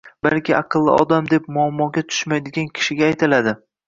balki, aqlli odam deb muammoga tushmaydigan kishiga aytiladi.